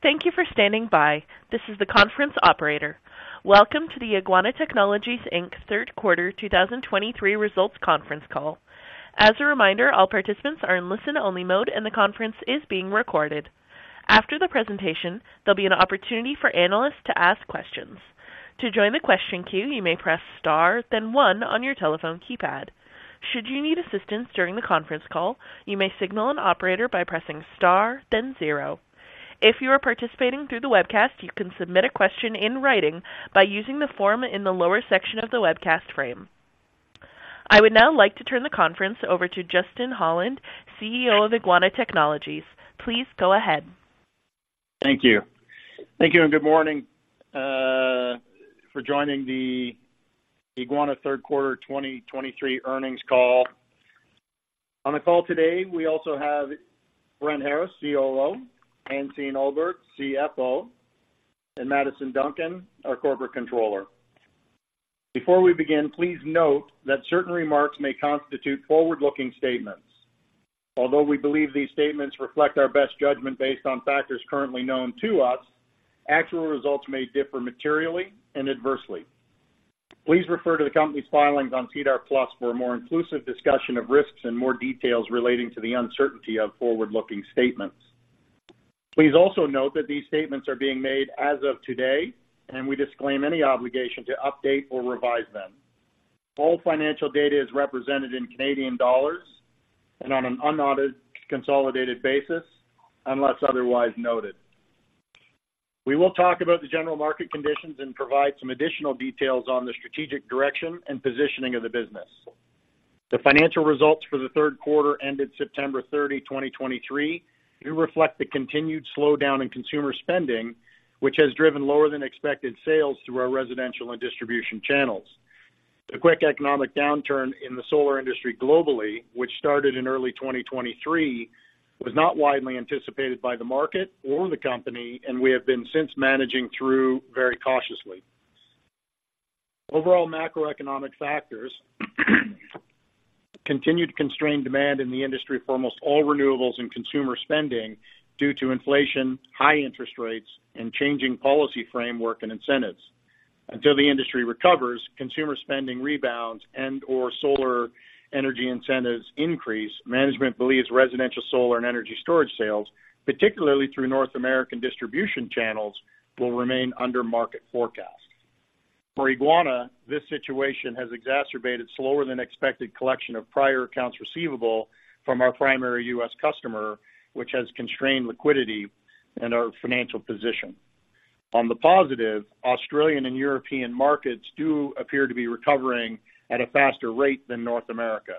Thank you for standing by. This is the conference operator. Welcome to the Eguana Technologies Inc. Third Quarter 2023 Results Conference Call. As a reminder, all participants are in listen-only mode, and the conference is being recorded. After the presentation, there'll be an opportunity for analysts to ask questions. To join the question queue, you may press star, then one on your telephone keypad. Should you need assistance during the conference call, you may signal an operator by pressing star, then zero. If you are participating through the webcast, you can submit a question in writing by using the form in the lower section of the webcast frame. I would now like to turn the conference over to Justin Holland, CEO of Eguana Technologies. Please go ahead. Thank you. Thank you, and good morning for joining the Eguana third quarter 2023 earnings call. On the call today, we also have Brent Harris, COO, Hansine Ullberg, CFO, and Madison Duncan, our Corporate Controller. Before we begin, please note that certain remarks may constitute forward-looking statements. Although we believe these statements reflect our best judgment based on factors currently known to us, actual results may differ materially and adversely. Please refer to the company's filings on SEDAR+ for a more inclusive discussion of risks and more details relating to the uncertainty of forward-looking statements. Please also note that these statements are being made as of today, and we disclaim any obligation to update or revise them. All financial data is represented in Canadian dollars and on an unaudited consolidated basis, unless otherwise noted. We will talk about the general market conditions and provide some additional details on the strategic direction and positioning of the business. The financial results for the third quarter ended September 30, 2023, do reflect the continued slowdown in consumer spending, which has driven lower than expected sales through our residential and distribution channels. The quick economic downturn in the solar industry globally, which started in early 2023, was not widely anticipated by the market or the company, and we have been since managing through very cautiously. Overall, macroeconomic factors continued to constrain demand in the industry for almost all renewables and consumer spending due to inflation, high interest rates, and changing policy framework and incentives. Until the industry recovers, consumer spending rebounds and/or solar energy incentives increase, management believes residential solar and energy storage sales, particularly through North American distribution channels, will remain under market forecast. For Eguana, this situation has exacerbated slower than expected collection of prior accounts receivable from our primary U.S. customer, which has constrained liquidity and our financial position. On the positive, Australian and European markets do appear to be recovering at a faster rate than North America.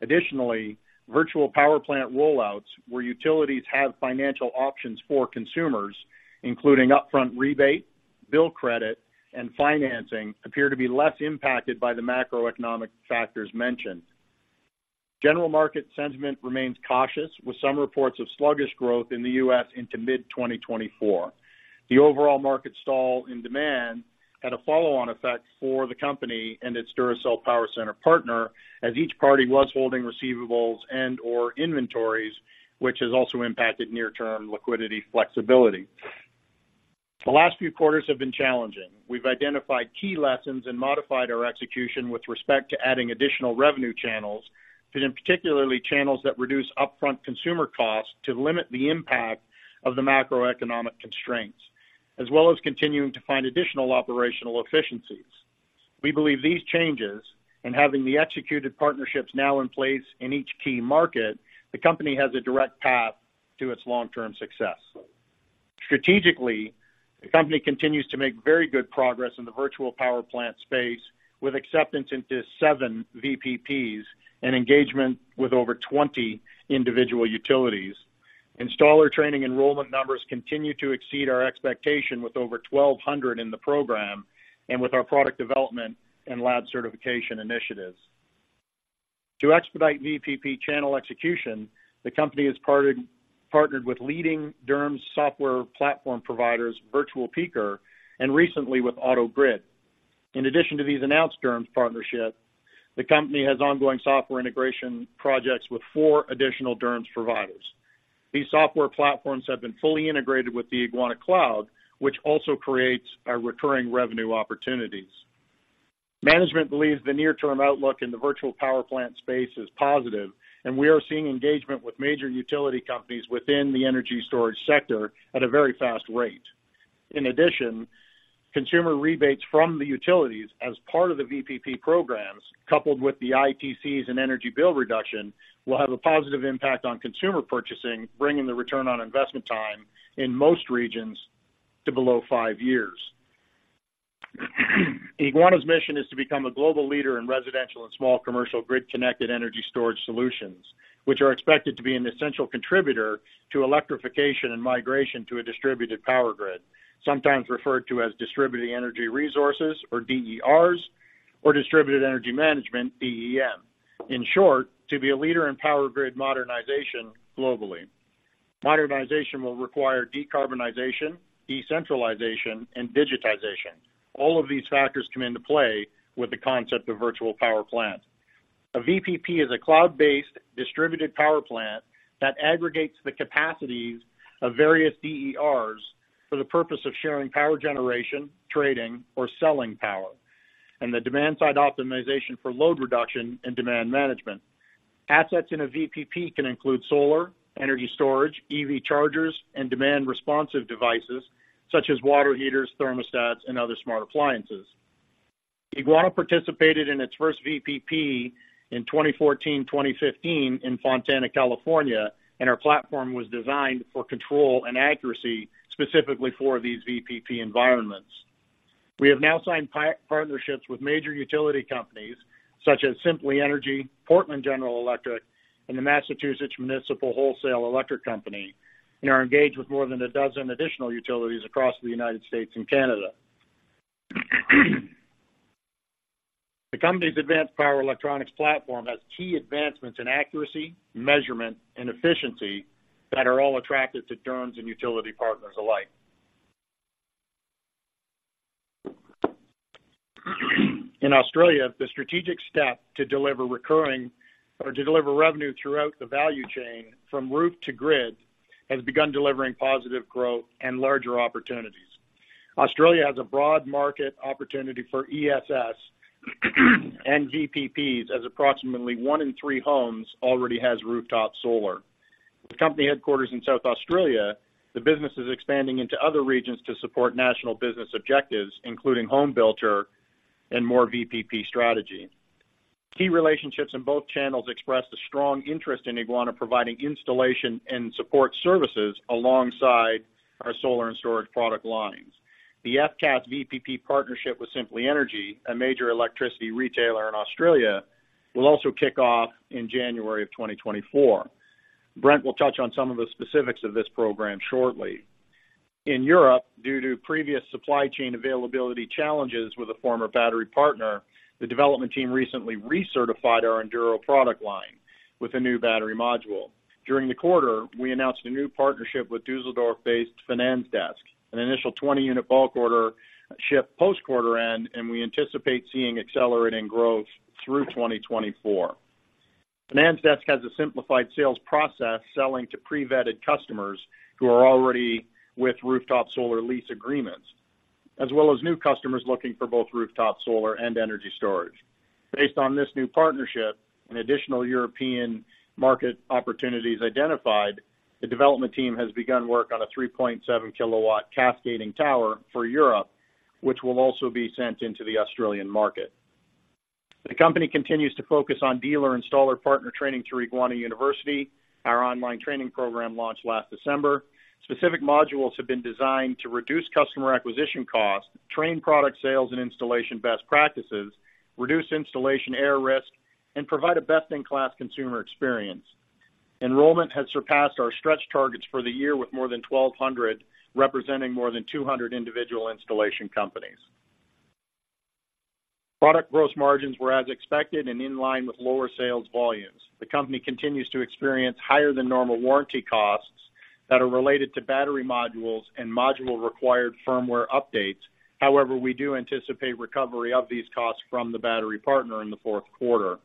Additionally, virtual power plant rollouts, where utilities have financial options for consumers, including upfront rebate, bill credit, and financing, appear to be less impacted by the macroeconomic factors mentioned. General market sentiment remains cautious, with some reports of sluggish growth in the U.S. into mid-2024. The overall market stall in demand had a follow-on effect for the company and its Duracell Power Center partner, as each party was holding receivables and/or inventories, which has also impacted near-term liquidity flexibility. The last few quarters have been challenging. We've identified key lessons and modified our execution with respect to adding additional revenue channels, and in particular, channels that reduce upfront consumer costs to limit the impact of the macroeconomic constraints, as well as continuing to find additional operational efficiencies. We believe these changes, and having the executed partnerships now in place in each key market, the company has a direct path to its long-term success. Strategically, the company continues to make very good progress in the virtual power plant space, with acceptance into seven VPPs and engagement with over 20 individual utilities. Installer training enrollment numbers continue to exceed our expectation, with over 1,200 in the program and with our product development and lab certification initiatives. To expedite VPP channel execution, the company has partnered with leading DERMS software platform providers, Virtual Peaker, and recently with AutoGrid. In addition to these announced DERMS partnerships, the company has ongoing software integration projects with four additional DERMS providers. These software platforms have been fully integrated with the Eguana Cloud, which also creates our recurring revenue opportunities. Management believes the near-term outlook in the virtual power plant space is positive, and we are seeing engagement with major utility companies within the energy storage sector at a very fast rate. In addition, consumer rebates from the utilities as part of the VPP programs, coupled with the ITCs and energy bill reduction, will have a positive impact on consumer purchasing, bringing the return on investment time in most regions to below five years. Eguana's mission is to become a global leader in residential and small commercial grid-connected energy storage solutions, which are expected to be an essential contributor to electrification and migration to a distributed power grid, sometimes referred to as distributed energy resources or DERs, or distributed energy management, DEM. In short, to be a leader in power grid modernization globally. Modernization will require decarbonization, decentralization, and digitization. All of these factors come into play with the concept of virtual power plant. A VPP is a cloud-based distributed power plant that aggregates the capacities of various DERs for the purpose of sharing power generation, trading, or selling power, and the demand-side optimization for load reduction and demand management. Assets in a VPP can include solar, energy storage, EV chargers, and demand-responsive devices, such as water heaters, thermostats, and other smart appliances. Eguana participated in its first VPP in 2014, 2015 in Fontana, California, and our platform was designed for control and accuracy specifically for these VPP environments. We have now signed partnerships with major utility companies such as Simply Energy, Portland General Electric, and the Massachusetts Municipal Wholesale Electric Company, and are engaged with more than a dozen additional utilities across the United States and Canada. The company's advanced power electronics platform has key advancements in accuracy, measurement, and efficiency that are all attractive to DERMS and utility partners alike. In Australia, the strategic step to deliver recurring or to deliver revenue throughout the value chain from roof to grid, has begun delivering positive growth and larger opportunities. Australia has a broad market opportunity for ESS and VPPs, as approximately one in three homes already has rooftop solar. With company headquarters in South Australia, the business is expanding into other regions to support national business objectives, including home builder and more VPP strategy. Key relationships in both channels express a strong interest in Eguana, providing installation and support services alongside our solar and storage product lines. The FCAS VPP partnership with Simply Energy, a major electricity retailer in Australia, will also kick off in January of 2024. Brent will touch on some of the specifics of this program shortly. In Europe, due to previous supply chain availability challenges with a former battery partner, the development team recently recertified our Enduro product line with a new battery module. During the quarter, we announced a new partnership with Dusseldorf-based Finanzdesk, an initial 20-unit bulk order shipped post-quarter end, and we anticipate seeing accelerating growth through 2024. Finanzdesk has a simplified sales process selling to pre-vetted customers who are already with rooftop solar lease agreements, as well as new customers looking for both rooftop solar and energy storage. Based on this new partnership and additional European market opportunities identified, the development team has begun work on a 3.7 kW cascading tower for Europe, which will also be sent into the Australian market. The company continues to focus on dealer-installer partner training through Eguana University, our online training program launched last December. Specific modules have been designed to reduce customer acquisition costs, train product sales and installation best practices, reduce installation error risk, and provide a best-in-class consumer experience. Enrollment has surpassed our stretch targets for the year, with more than 1,200, representing more than 200 individual installation companies. Product gross margins were as expected and in line with lower sales volumes. The company continues to experience higher-than-normal warranty costs that are related to battery modules and module-required firmware updates. However, we do anticipate recovery of these costs from the battery partner in the fourth quarter.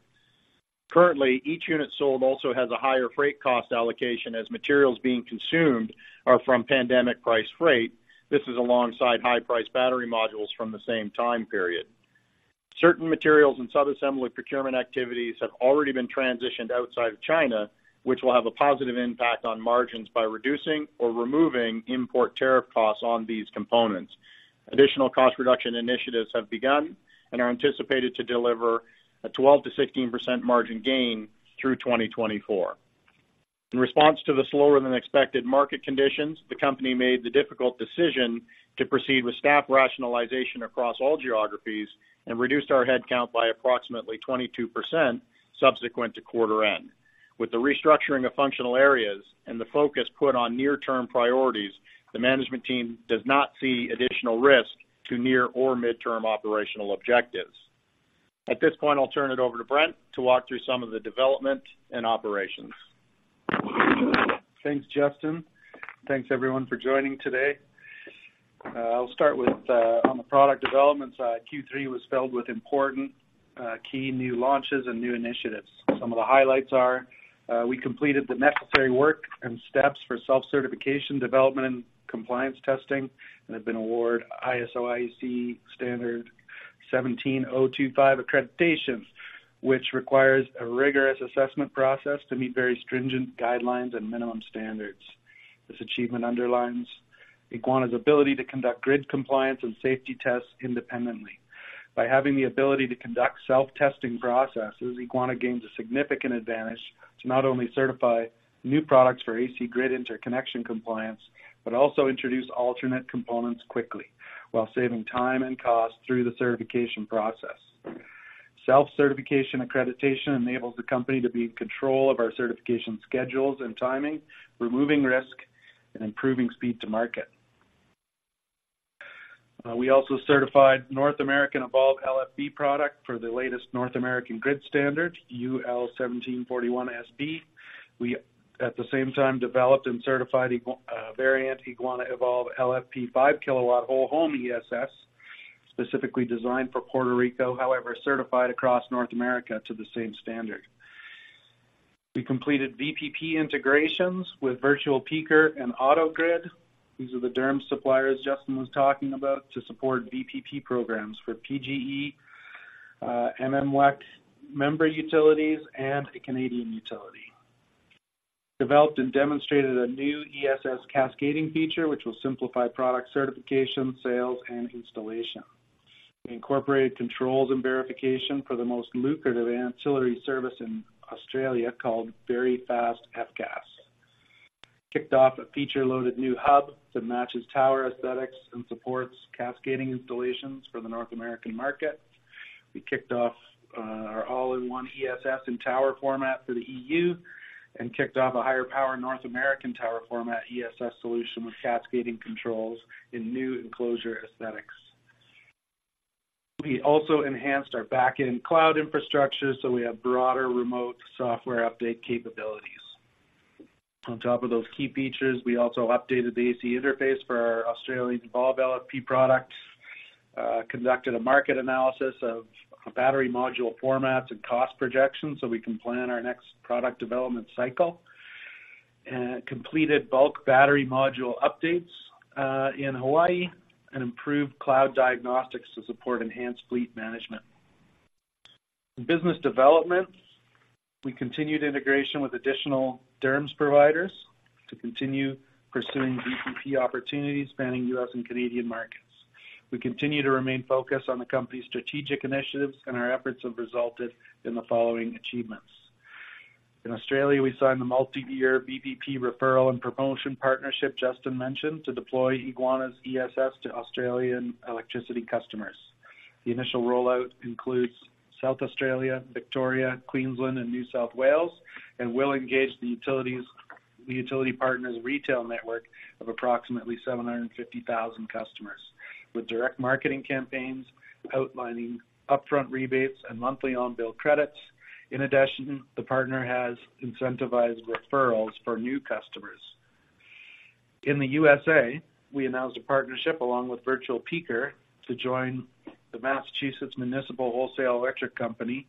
Currently, each unit sold also has a higher freight cost allocation, as materials being consumed are from pandemic price freight. This is alongside high-priced battery modules from the same time period. Certain materials and sub-assembly procurement activities have already been transitioned outside of China, which will have a positive impact on margins by reducing or removing import tariff costs on these components. Additional cost reduction initiatives have begun and are anticipated to deliver a 12%-16% margin gain through 2024. In response to the slower-than-expected market conditions, the company made the difficult decision to proceed with staff rationalization across all geographies and reduced our headcount by approximately 22% subsequent to quarter end. With the restructuring of functional areas and the focus put on near-term priorities, the management team does not see additional risk to near or midterm operational objectives. At this point, I'll turn it over to Brent to walk through some of the development and operations. Thanks, Justin. Thanks, everyone, for joining today. I'll start with on the product development side. Q3 was filled with important key new launches and new initiatives. Some of the highlights are we completed the necessary work and steps for self-certification, development, and compliance testing, and have been awarded ISO/IEC standard 17025 accreditations, which requires a rigorous assessment process to meet very stringent guidelines and minimum standards. This achievement underlines Eguana's ability to conduct grid compliance and safety tests independently. By having the ability to conduct self-testing processes, Eguana gains a significant advantage to not only certify new products for AC grid interconnection compliance, but also introduce alternate components quickly while saving time and cost through the certification process. Self-certification accreditation enables the company to be in control of our certification schedules and timing, removing risk and improving speed to market. We also certified North American Evolve LFP product for the latest North American grid standard, UL 1741 SB. We, at the same time, developed and certified Eguana variant Eguana Evolve LFP 5-kilowatt whole home ESS, specifically designed for Puerto Rico, however, certified across North America to the same standard. We completed VPP integrations with Virtual Peaker and AutoGrid. These are the DERMS suppliers Justin was talking about, to support VPP programs for PGE, MMWEC member utilities, and a Canadian utility. Developed and demonstrated a new ESS cascading feature, which will simplify product certification, sales, and installation. We incorporated controls and verification for the most lucrative ancillary service in Australia called Very Fast FCAS. Kicked off a feature-loaded new hub that matches tower aesthetics and supports cascading installations for the North American market. We kicked off our all-in-one ESS and tower format for the EU, and kicked off a higher power North American tower format ESS solution with cascading controls in new enclosure aesthetics. We also enhanced our back-end cloud infrastructure, so we have broader remote software update capabilities. On top of those key features, we also updated the AC interface for our Australian Evolve LFP products, conducted a market analysis of battery module formats and cost projections so we can plan our next product development cycle, and completed bulk battery module updates in Hawaii, and improved cloud diagnostics to support enhanced fleet management. In business development, we continued integration with additional DERMS providers to continue pursuing VPP opportunities spanning U.S. and Canadian markets. We continue to remain focused on the company's strategic initiatives, and our efforts have resulted in the following achievements: In Australia, we signed the multi-year VPP referral and promotion partnership Justin mentioned, to deploy Eguana's ESS to Australian electricity customers. The initial rollout includes South Australia, Victoria, Queensland, and New South Wales, and will engage the utility partner's retail network of approximately 750,000 customers, with direct marketing campaigns outlining upfront rebates and monthly on-bill credits. In addition, the partner has incentivized referrals for new customers. In the USA, we announced a partnership along with Virtual Peaker to join the Massachusetts Municipal Wholesale Electric Company,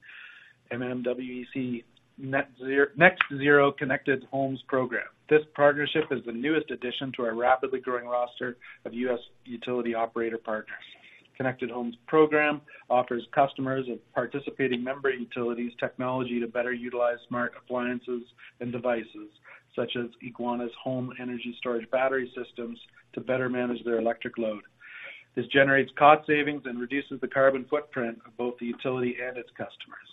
MMWEC, NextZero Connected Homes program. This partnership is the newest addition to our rapidly growing roster of U.S. utility operator partners. Connected Homes program offers customers of participating member utilities technology to better utilize smart appliances and devices, such as Eguana's home energy storage battery systems, to better manage their electric load. This generates cost savings and reduces the carbon footprint of both the utility and its customers.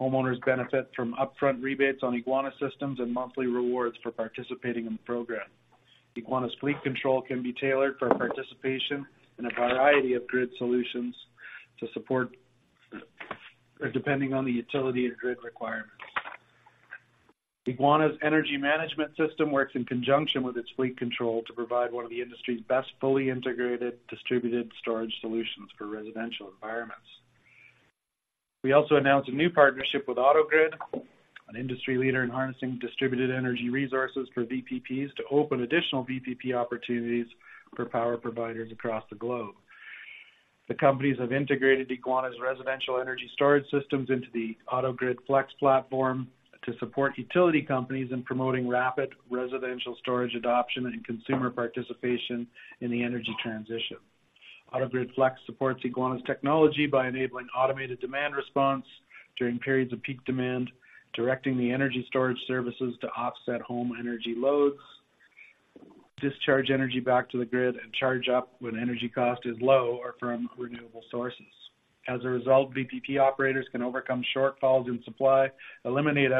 Homeowners benefit from upfront rebates on Eguana systems and monthly rewards for participating in the program. Eguana's fleet control can be tailored for participation in a variety of grid solutions to support, depending on the utility and grid requirements. Eguana's energy management system works in conjunction with its fleet control to provide one of the industry's best fully integrated, distributed storage solutions for residential environments. We also announced a new partnership with AutoGrid, an industry leader in harnessing distributed energy resources for VPPs, to open additional VPP opportunities for power providers across the globe. The companies have integrated Eguana's residential energy storage systems into the AutoGrid Flex platform to support utility companies in promoting rapid residential storage adoption and consumer participation in the energy transition. AutoGrid Flex supports Eguana's technology by enabling automated demand response during periods of peak demand, directing the energy storage services to offset home energy loads, discharge energy back to the grid, and charge up when energy cost is low or from renewable sources. As a result, VPP operators can overcome shortfalls in supply, eliminate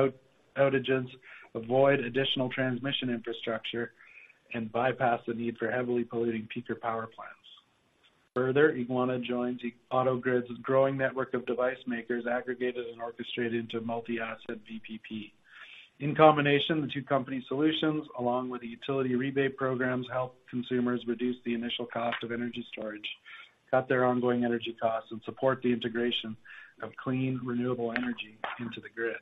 outages, avoid additional transmission infrastructure, and bypass the need for heavily polluting peaker power plants. Further, Eguana joins AutoGrid's growing network of device makers, aggregated and orchestrated into multi-asset VPP. In combination, the two company solutions, along with the utility rebate programs, help consumers reduce the initial cost of energy storage, cut their ongoing energy costs, and support the integration of clean, renewable energy into the grid.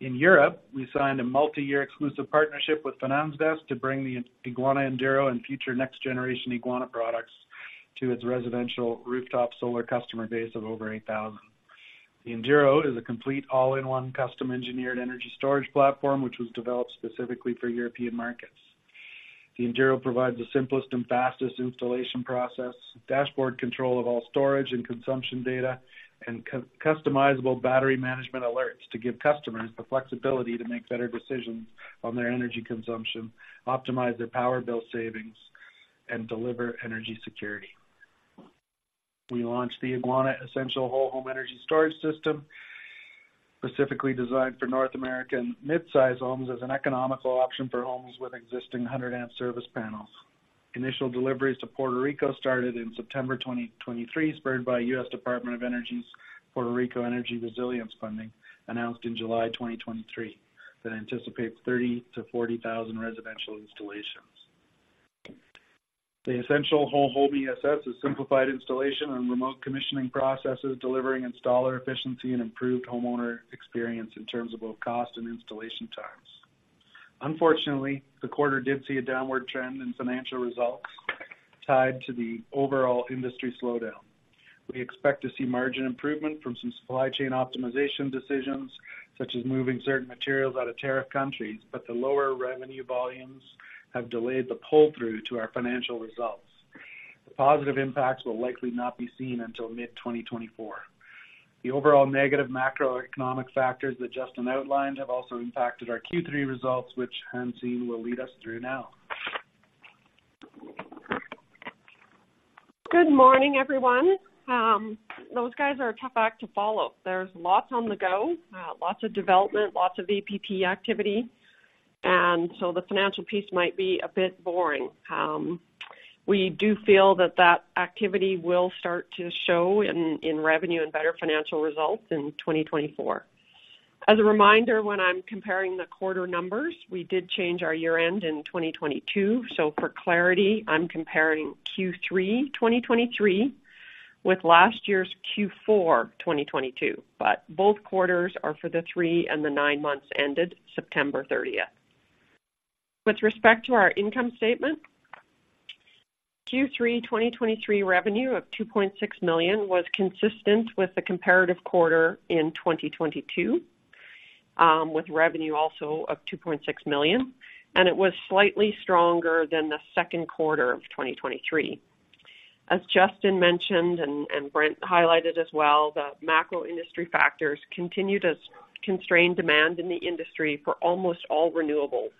In Europe, we signed a multi-year exclusive partnership with Finanzdesk to bring the Eguana Enduro and future next-generation Eguana products to its residential rooftop solar customer base of over 8,000. The Enduro is a complete all-in-one custom-engineered energy storage platform, which was developed specifically for European markets. The Enduro provides the simplest and fastest installation process, dashboard control of all storage and consumption data, and customizable battery management alerts to give customers the flexibility to make better decisions on their energy consumption, optimize their power bill savings, and deliver energy security. We launched the Eguana Essential Whole Home Energy Storage System, specifically designed for North American mid-size homes, as an economical option for homes with existing 100-amp service panels. Initial deliveries to Puerto Rico started in September 2023, spurred by U.S. Department of Energy's Puerto Rico Energy Resilience Funding, announced in July 2023, that anticipates 30,000-40,000 residential installations. The Essential Whole Home ESS is simplified installation and remote commissioning processes, delivering installer efficiency and improved homeowner experience in terms of both cost and installation times. Unfortunately, the quarter did see a downward trend in financial results tied to the overall industry slowdown. We expect to see margin improvement from some supply chain optimization decisions, such as moving certain materials out of tariff countries, but the lower revenue volumes have delayed the pull-through to our financial results. The positive impacts will likely not be seen until mid-2024. The overall negative macroeconomic factors that Justin outlined have also impacted our Q3 results, which Hansine will lead us through now. Good morning, everyone. Those guys are a tough act to follow. There's lots on the go, lots of development, lots of VPP activity, and so the financial piece might be a bit boring. We do feel that that activity will start to show in, in revenue and better financial results in 2024. As a reminder, when I'm comparing the quarter numbers, we did change our year-end in 2022, so for clarity, I'm comparing Q3 2023 with last year's Q4 2022, but both quarters are for the three and the nine months ended September thirtieth. With respect to our income statement, Q3 2023 revenue of 2.6 million was consistent with the comparative quarter in 2022, with revenue also of 2.6 million, and it was slightly stronger than the second quarter of 2023. As Justin mentioned and Brent highlighted as well, the macro industry factors continued as constrained demand in the industry for almost all renewables,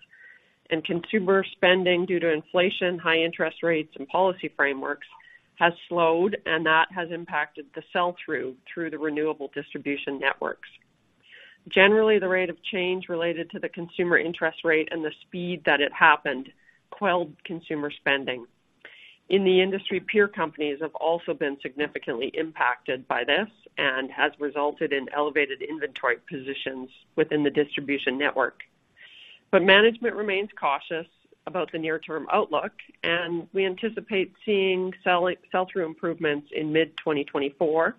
and consumer spending due to inflation, high interest rates and policy frameworks has slowed, and that has impacted the sell-through through the renewable distribution networks. Generally, the rate of change related to the consumer interest rate and the speed that it happened quelled consumer spending. In the industry, peer companies have also been significantly impacted by this and has resulted in elevated inventory positions within the distribution network. But management remains cautious about the near-term outlook, and we anticipate seeing sell-through improvements in mid-2024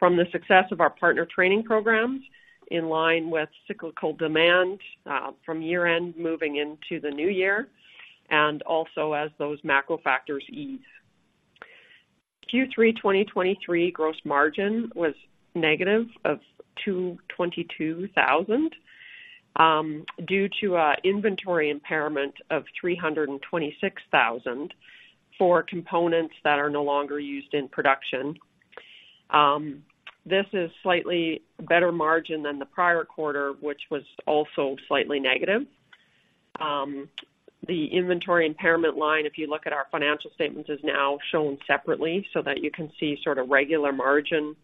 from the success of our partner training programs, in line with cyclical demand from year-end moving into the new year, and also as those macro factors ease. Q3 2023 gross margin was negative 222,000 due to inventory impairment of 326,000 for components that are no longer used in production. This is slightly better margin than the prior quarter, which was also slightly negative. The inventory impairment line, if you look at our financial statements, is now shown separately so that you can see sort of regular margin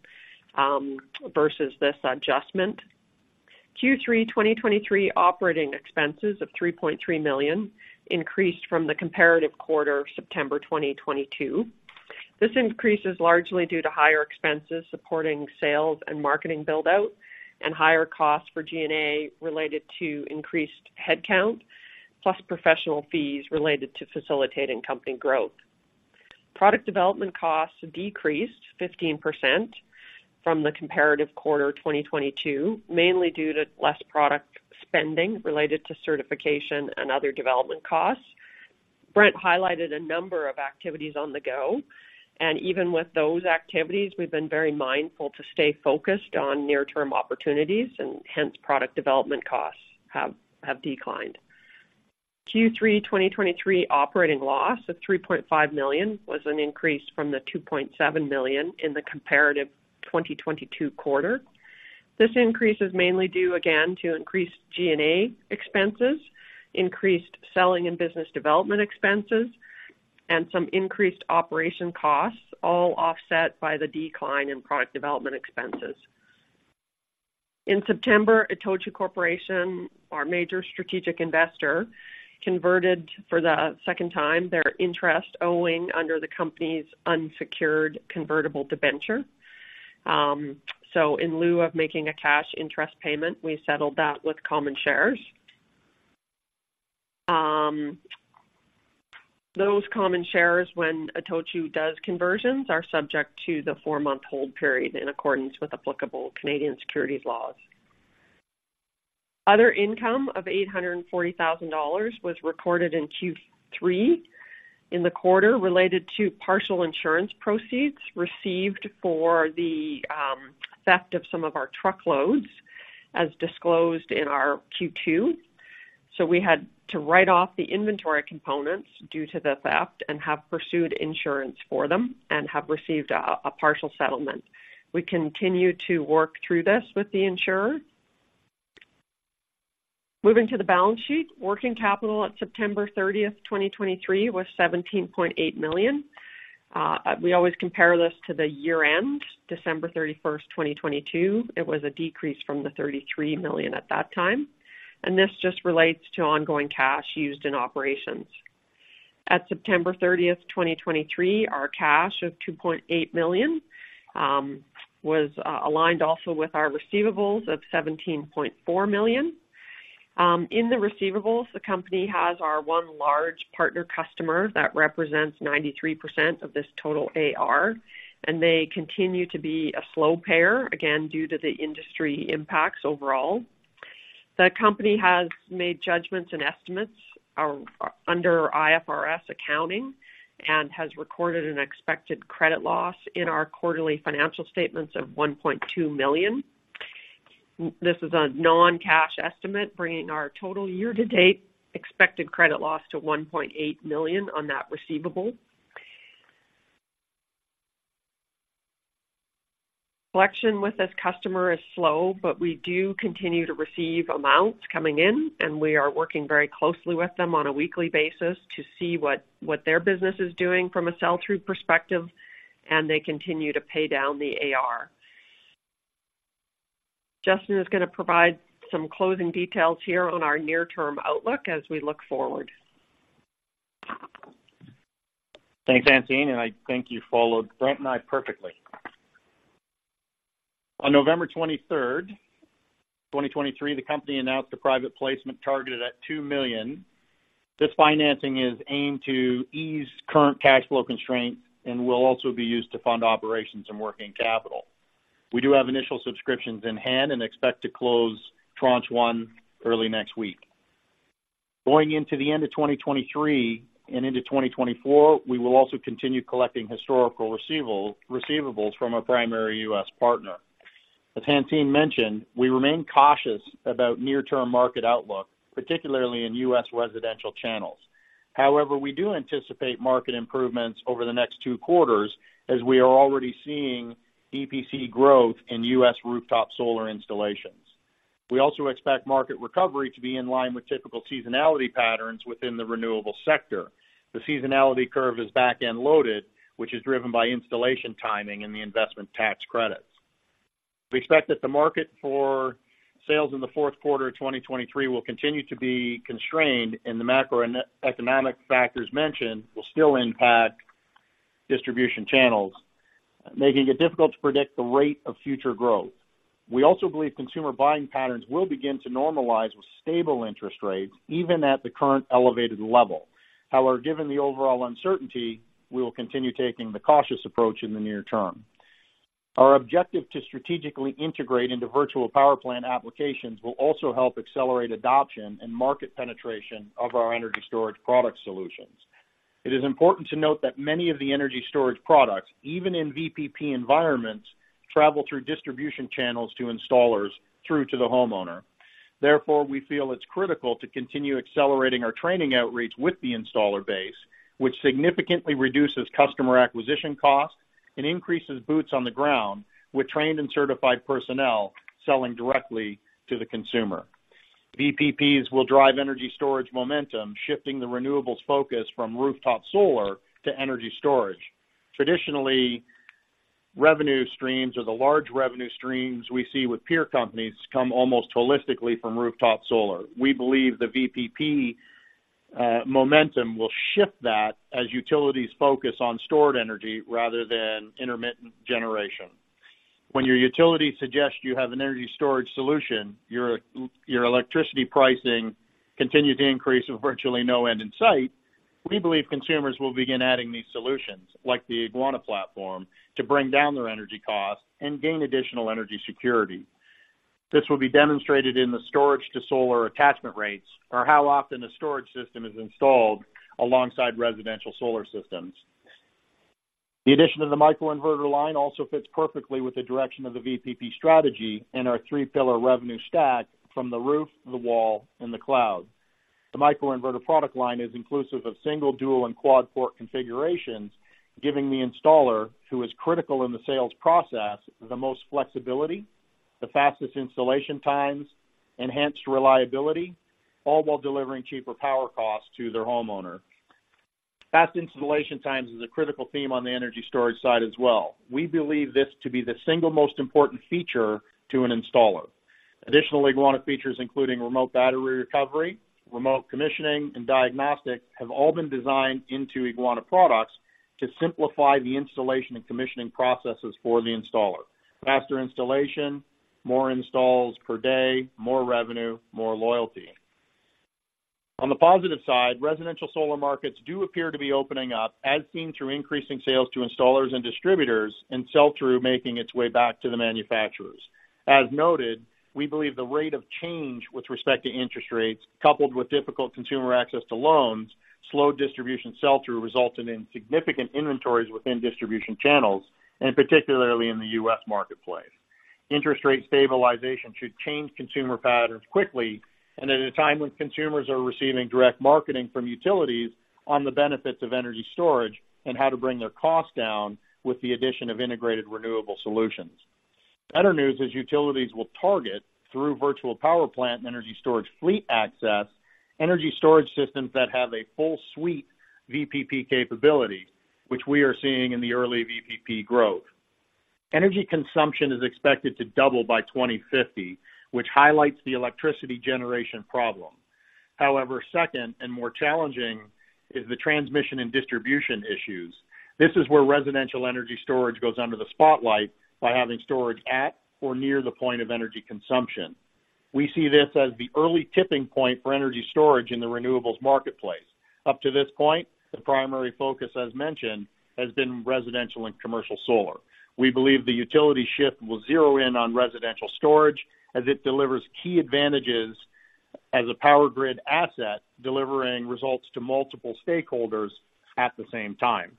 versus this adjustment. Q3 2023 operating expenses of CAD 3.3 million increased from the comparative quarter, September 2022. This increase is largely due to higher expenses supporting sales and marketing build-out, and higher costs for G&A related to increased headcount, plus professional fees related to facilitating company growth. Product development costs decreased 15% from the comparative quarter 2022, mainly due to less product spending related to certification and other development costs. Brent highlighted a number of activities on the go, and even with those activities, we've been very mindful to stay focused on near-term opportunities and hence product development costs have declined. Q3 2023 operating loss of 3.5 million was an increase from the 2.7 million in the comparative 2022 quarter. This increase is mainly due again to increased G&A expenses, increased selling and business development expenses, and some increased operation costs, all offset by the decline in product development expenses. In September, ITOCHU Corporation, our major strategic investor, converted for the second time their interest owing under the company's unsecured convertible debenture. So in lieu of making a cash interest payment, we settled that with common shares. Those common shares, when ITOCHU does conversions, are subject to the 4-month hold period in accordance with applicable Canadian securities laws. Other income of 840 thousand dollars was recorded in Q3 in the quarter related to partial insurance proceeds received for the theft of some of our truckloads, as disclosed in our Q2. So we had to write off the inventory components due to the theft and have pursued insurance for them and have received a partial settlement. We continue to work through this with the insurer. Moving to the balance sheet. Working capital at September 30th, 2023, was 17.8 million. We always compare this to the year-end, December 31st, 2022. It was a decrease from the 33 million at that time, and this just relates to ongoing cash used in operations. At September 30th, 2023, our cash of 2.8 million was aligned also with our receivables of 17.4 million. In the receivables, the company has our one large partner customer that represents 93% of this total AR, and they continue to be a slow payer, again, due to the industry impacts overall. The company has made judgments and estimates under IFRS accounting, and has recorded an expected credit loss in our quarterly financial statements of 1.2 million. This is a non-cash estimate, bringing our total year-to-date expected credit loss to 1.8 million on that receivable. Collection with this customer is slow, but we do continue to receive amounts coming in, and we are working very closely with them on a weekly basis to see what their business is doing from a sell-through perspective, and they continue to pay down the AR. Justin is gonna provide some closing details here on our near-term outlook as we look forward. Thanks, Hansine, and I think you followed Brent and I perfectly. On November 23, 2023, the company announced a private placement targeted at 2 million. This financing is aimed to ease current cash flow constraints and will also be used to fund operations and working capital. We do have initial subscriptions in hand and expect to close tranche one early next week. Going into the end of 2023 and into 2024, we will also continue collecting historical receivables from our primary U.S. partner. As Hansine mentioned, we remain cautious about near-term market outlook, particularly in U.S. residential channels. However, we do anticipate market improvements over the next 2 quarters, as we are already seeing EPC growth in U.S. rooftop solar installations. We also expect market recovery to be in line with typical seasonality patterns within the renewable sector. The seasonality curve is back-end loaded, which is driven by installation timing and the investment tax credits. We expect that the market for sales in the fourth quarter of 2023 will continue to be constrained, and the macroeconomic factors mentioned will still impact distribution channels, making it difficult to predict the rate of future growth. We also believe consumer buying patterns will begin to normalize with stable interest rates, even at the current elevated level. However, given the overall uncertainty, we will continue taking the cautious approach in the near term. Our objective to strategically integrate into virtual power plant applications will also help accelerate adoption and market penetration of our energy storage product solutions. It is important to note that many of the energy storage products, even in VPP environments, travel through distribution channels to installers through to the homeowner. Therefore, we feel it's critical to continue accelerating our training outreach with the installer base, which significantly reduces customer acquisition costs and increases boots on the ground with trained and certified personnel selling directly to the consumer. VPPs will drive energy storage momentum, shifting the renewables focus from rooftop solar to energy storage. Traditionally, revenue streams or the large revenue streams we see with peer companies come almost holistically from rooftop solar. We believe the VPP momentum will shift that as utilities focus on stored energy rather than intermittent generation. When your utility suggests you have an energy storage solution, your electricity pricing continue to increase with virtually no end in sight, we believe consumers will begin adding these solutions, like the Eguana platform, to bring down their energy costs and gain additional energy security. This will be demonstrated in the storage-to-solar attachment rates, or how often a storage system is installed alongside residential solar systems. The addition of the microinverter line also fits perfectly with the direction of the VPP strategy and our three-pillar revenue stack from the roof, the wall, and the cloud. The microinverter product line is inclusive of single, dual, and quad port configurations, giving the installer, who is critical in the sales process, the most flexibility, the fastest installation times, enhanced reliability, all while delivering cheaper power costs to their homeowner. Fast installation times is a critical theme on the energy storage side as well. We believe this to be the single most important feature to an installer. Additional Eguana features, including remote battery recovery, remote commissioning, and diagnostics, have all been designed into Eguana products to simplify the installation and commissioning processes for the installer. Faster installation, more installs per day, more revenue, more loyalty. On the positive side, residential solar markets do appear to be opening up, as seen through increasing sales to installers and distributors, and sell-through making its way back to the manufacturers. As noted, we believe the rate of change with respect to interest rates, coupled with difficult consumer access to loans, slowed distribution sell-through, resulting in significant inventories within distribution channels, and particularly in the U.S. marketplace. Interest rate stabilization should change consumer patterns quickly, and at a time when consumers are receiving direct marketing from utilities on the benefits of energy storage and how to bring their costs down with the addition of integrated renewable solutions. Better news is utilities will target, through virtual power plant and energy storage fleet access, energy storage systems that have a full suite VPP capability, which we are seeing in the early VPP growth. Energy consumption is expected to double by 2050, which highlights the electricity generation problem. However, second and more challenging is the transmission and distribution issues. This is where residential energy storage goes under the spotlight by having storage at or near the point of energy consumption. We see this as the early tipping point for energy storage in the renewables marketplace... Up to this point, the primary focus, as mentioned, has been residential and commercial solar. We believe the utility shift will zero in on residential storage as it delivers key advantages as a power grid asset, delivering results to multiple stakeholders at the same time.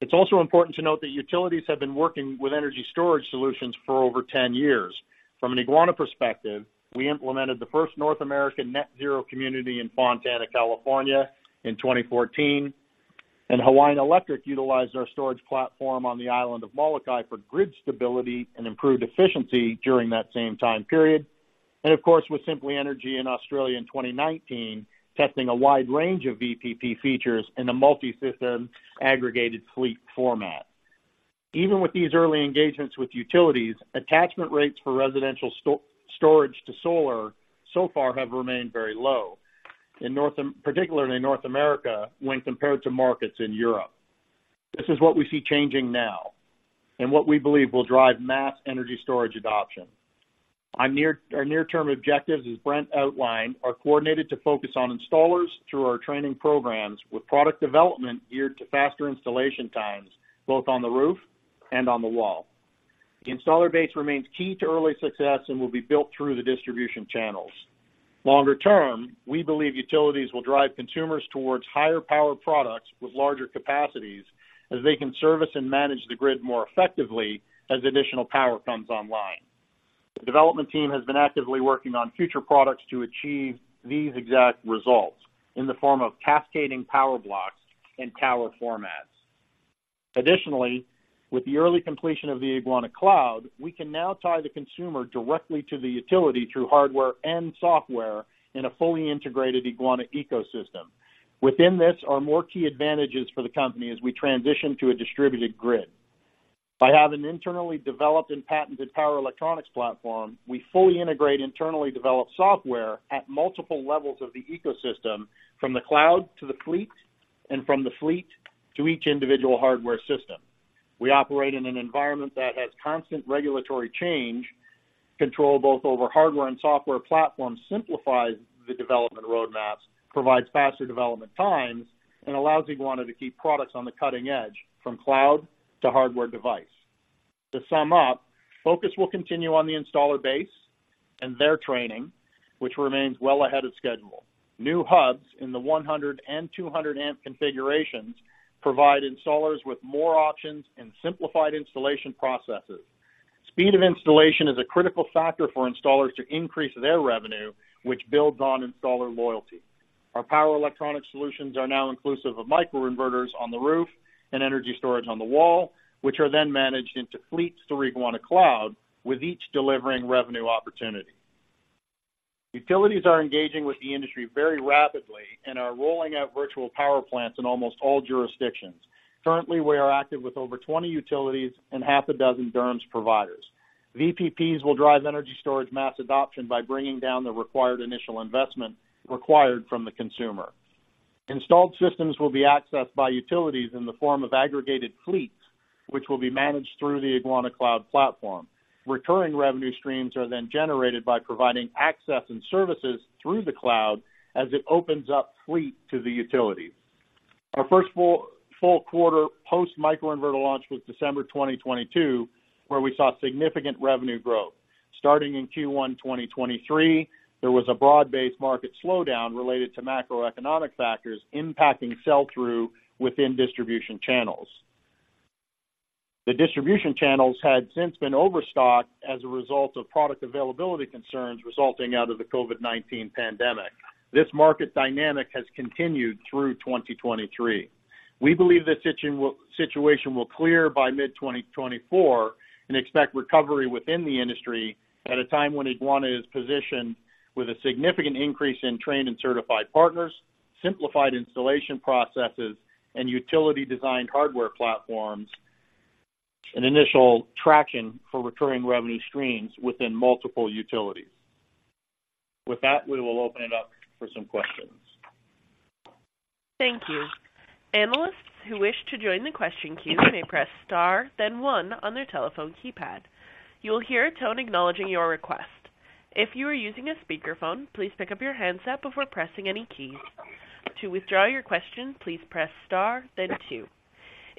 It's also important to note that utilities have been working with energy storage solutions for over 10 years. From an Eguana perspective, we implemented the first North American net zero community in Fontana, California, in 2014, and Hawaiian Electric utilized our storage platform on the island of Molokai for grid stability and improved efficiency during that same time period. And of course, with Simply Energy in Australia in 2019, testing a wide range of VPP features in a multisystem aggregated fleet format. Even with these early engagements with utilities, attachment rates for residential storage to solar so far have remained very low, particularly in North America, when compared to markets in Europe. This is what we see changing now and what we believe will drive mass energy storage adoption. Our near-term objectives, as Brent outlined, are coordinated to focus on installers through our training programs, with product development geared to faster installation times, both on the roof and on the wall. The installer base remains key to early success and will be built through the distribution channels. Longer term, we believe utilities will drive consumers towards higher-powered products with larger capacities, as they can service and manage the grid more effectively as additional power comes online. The development team has been actively working on future products to achieve these exact results in the form of cascading power blocks and tower formats. Additionally, with the early completion of the Eguana Cloud, we can now tie the consumer directly to the utility through hardware and software in a fully integrated Eguana ecosystem. Within this are more key advantages for the company as we transition to a distributed grid. By having internally developed and patented power electronics platform, we fully integrate internally developed software at multiple levels of the ecosystem, from the cloud to the fleet, and from the fleet to each individual hardware system. We operate in an environment that has constant regulatory change. Control both over hardware and software platforms simplifies the development roadmaps, provides faster development times, and allows Eguana to keep products on the cutting edge, from cloud to hardware device. To sum up, focus will continue on the installer base and their training, which remains well ahead of schedule. New hubs in the 100-amp and 200-amp configurations provide installers with more options and simplified installation processes. Speed of installation is a critical factor for installers to increase their revenue, which builds on installer loyalty. Our power electronic solutions are now inclusive of microinverters on the roof and energy storage on the wall, which are then managed into fleets through Eguana Cloud, with each delivering revenue opportunity. Utilities are engaging with the industry very rapidly and are rolling out virtual power plants in almost all jurisdictions. Currently, we are active with over 20 utilities and half a dozen DERMS providers. VPPs will drive energy storage mass adoption by bringing down the required initial investment required from the consumer. Installed systems will be accessed by utilities in the form of aggregated fleets, which will be managed through the Eguana Cloud platform. Returning revenue streams are then generated by providing access and services through the cloud as it opens up fleet to the utilities. Our first full quarter post microinverter launch was December 2022, where we saw significant revenue growth. Starting in Q1 2023, there was a broad-based market slowdown related to macroeconomic factors impacting sell-through within distribution channels. The distribution channels had since been overstocked as a result of product availability concerns resulting out of the COVID-19 pandemic. This market dynamic has continued through 2023. We believe this situation will clear by mid-2024 and expect recovery within the industry at a time when Eguana is positioned with a significant increase in trained and certified partners, simplified installation processes and utility-designed hardware platforms, and initial traction for recurring revenue streams within multiple utilities. With that, we will open it up for some questions. Thank you. Analysts who wish to join the question queue may press star then one on their telephone keypad. You will hear a tone acknowledging your request. If you are using a speakerphone, please pick up your handset before pressing any keys. To withdraw your question, please press star then two.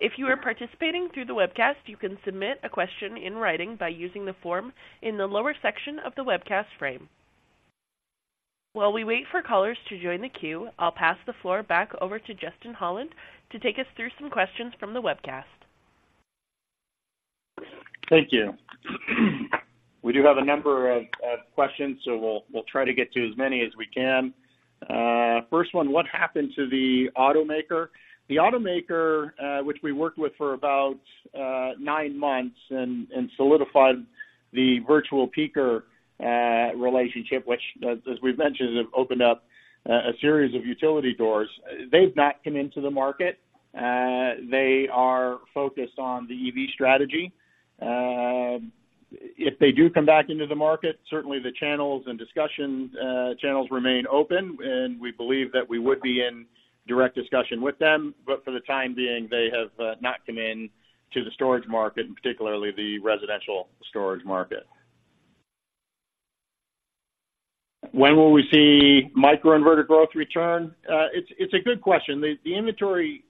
If you are participating through the webcast, you can submit a question in writing by using the form in the lower section of the webcast frame. While we wait for callers to join the queue, I'll pass the floor back over to Justin Holland to take us through some questions from the webcast. Thank you. We do have a number of questions, so we'll try to get to as many as we can. First one, what happened to the automaker? The automaker, which we worked with for about nine months and solidified the Virtual Peaker relationship, which as we've mentioned, have opened up a series of utility doors. They've not come into the market. They are focused on the EV strategy. If they do come back into the market, certainly the channels and discussions channels remain open, and we believe that we would be in direct discussion with them. But for the time being, they have not come in to the storage market, and particularly the residential storage market.... When will we see microinverter growth return? It's a good question. The inventory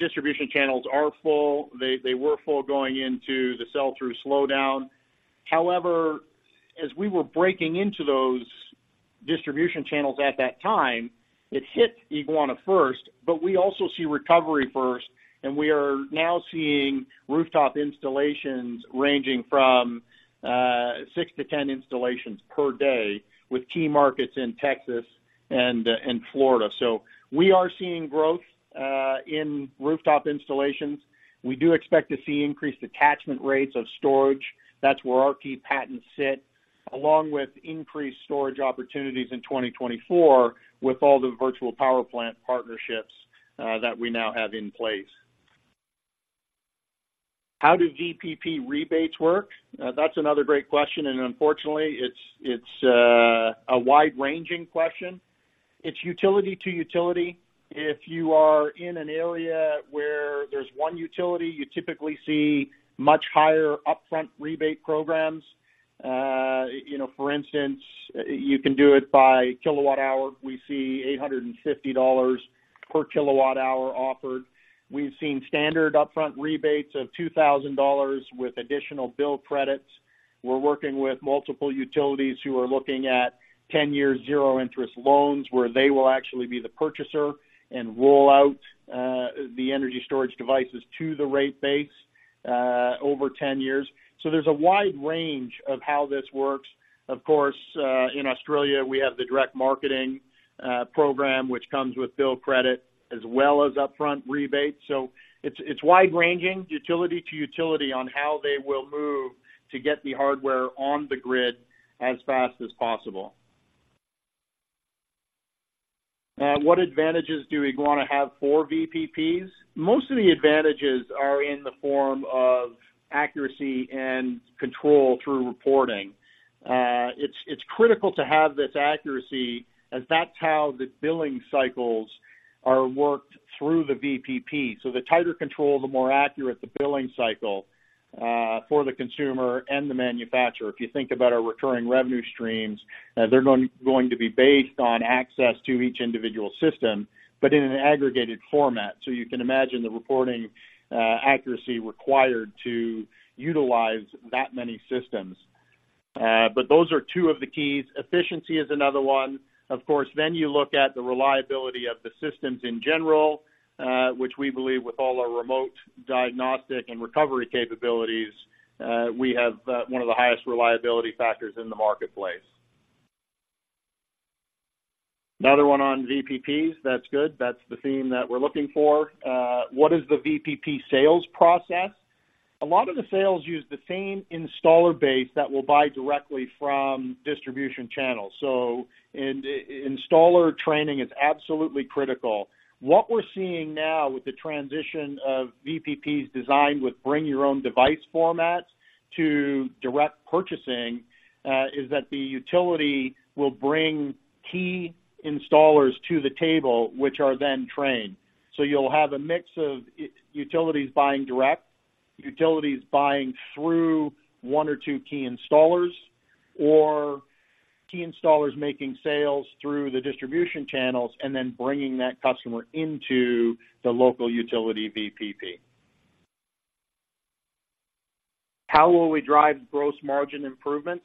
distribution channels are full. They, they were full going into the sell-through slowdown. However, as we were breaking into those distribution channels at that time, it hit Eguana first, but we also see recovery first, and we are now seeing rooftop installations ranging from 6-10 installations per day, with key markets in Texas and Florida. So we are seeing growth in rooftop installations. We do expect to see increased attachment rates of storage. That's where our key patents sit, along with increased storage opportunities in 2024 with all the virtual power plant partnerships that we now have in place. How do VPP rebates work? That's another great question, and unfortunately, it's a wide-ranging question. It's utility to utility. If you are in an area where there's one utility, you typically see much higher upfront rebate programs. You know, for instance, you can do it by kilowatt hour. We see $850 per kWh offered. We've seen standard upfront rebates of $2,000 with additional bill credits. We're working with multiple utilities who are looking at 10-year zero-interest loans, where they will actually be the purchaser and roll out the energy storage devices to the rate base over 10 years. So there's a wide range of how this works. Of course, in Australia, we have the direct marketing program, which comes with bill credit as well as upfront rebates. So it's wide-ranging, utility to utility on how they will move to get the hardware on the grid as fast as possible. What advantages do Eguana have for VPPs? Most of the advantages are in the form of accuracy and control through reporting. It's critical to have this accuracy as that's how the billing cycles are worked through the VPP. So the tighter control, the more accurate the billing cycle, for the consumer and the manufacturer. If you think about our recurring revenue streams, they're going to be based on access to each individual system, but in an aggregated format. So you can imagine the reporting accuracy required to utilize that many systems. But those are two of the keys. Efficiency is another one. Of course, then you look at the reliability of the systems in general, which we believe with all our remote diagnostic and recovery capabilities, we have one of the highest reliability factors in the marketplace. Another one on VPPs. That's good. That's the theme that we're looking for. What is the VPP sales process? A lot of the sales use the same installer base that will buy directly from distribution channels, so installer training is absolutely critical. What we're seeing now with the transition of VPPs designed with bring your own device formats to direct purchasing is that the utility will bring key installers to the table, which are then trained. So you'll have a mix of utilities buying direct, utilities buying through one or two key installers, or key installers making sales through the distribution channels and then bringing that customer into the local utility VPP. How will we drive gross margin improvements?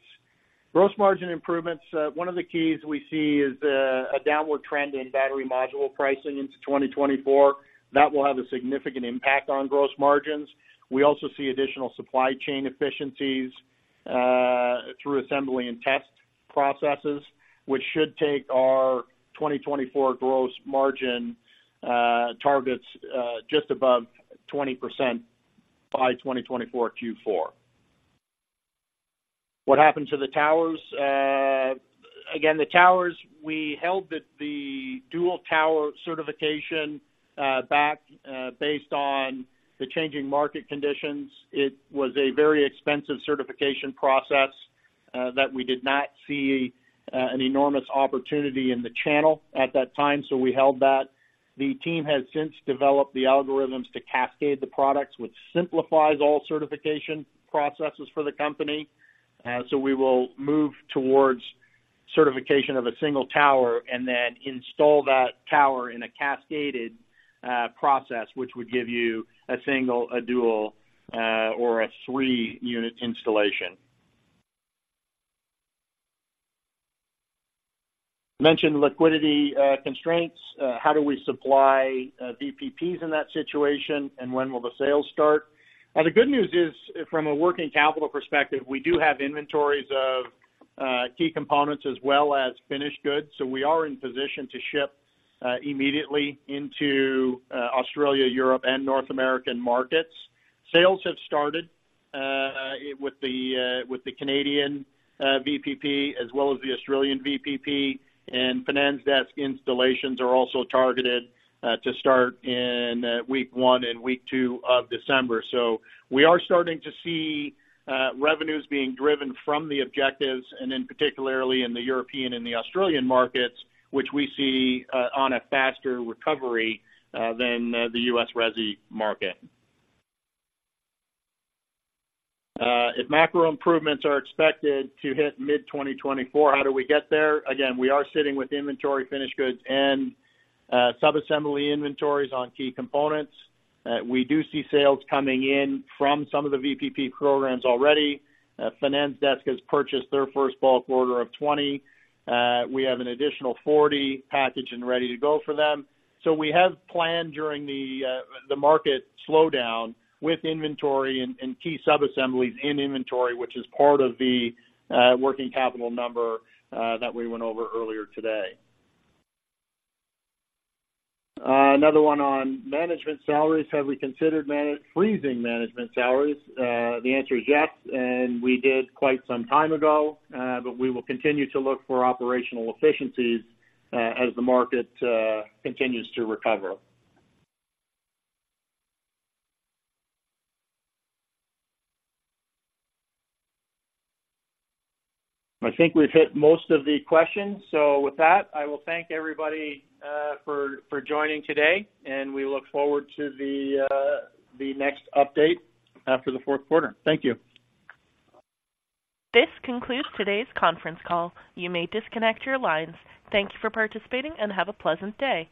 Gross margin improvements, one of the keys we see is, a downward trend in battery module pricing into 2024. That will have a significant impact on gross margins. We also see additional supply chain efficiencies through assembly and test processes, which should take our 2024 gross margin targets just above 20% by 2024 Q4. What happened to the towers? Again, the towers, we held the dual tower certification back based on the changing market conditions. It was a very expensive certification process that we did not see an enormous opportunity in the channel at that time, so we held that. The team has since developed the algorithms to cascade the products, which simplifies all certification processes for the company. So we will move towards certification of a single tower and then install that tower in a cascaded process, which would give you a single, a dual, or a 3-unit installation. You mentioned liquidity constraints. How do we supply VPPs in that situation, and when will the sales start? The good news is, from a working capital perspective, we do have inventories of key components as well as finished goods, so we are in position to ship immediately into Australia, Europe, and North American markets. Sales have started with the Canadian VPP, as well as the Australian VPP, and Finanzdesk installations are also targeted to start in week one and week two of December. So we are starting to see revenues being driven from the objectives, and then particularly in the European and the Australian markets, which we see on a faster recovery than the US resi market. If macro improvements are expected to hit mid-2024, how do we get there? Again, we are sitting with inventory, finished goods, and subassembly inventories on key components. We do see sales coming in from some of the VPP programs already. Finanzdesk has purchased their first bulk order of 20. We have an additional 40 packaged and ready to go for them. So we have planned during the market slowdown with inventory and key subassemblies in inventory, which is part of the working capital number that we went over earlier today. Another one on management salaries. Have we considered freezing management salaries? The answer is yes, and we did quite some time ago, but we will continue to look for operational efficiencies as the market continues to recover. I think we've hit most of the questions. So with that, I will thank everybody for joining today, and we look forward to the next update after the fourth quarter. Thank you. This concludes today's conference call. You may disconnect your lines. Thank you for participating and have a pleasant day.